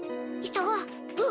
急ごう。